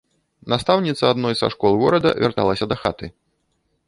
Настаўніца адной са школ горада вярталася дахаты.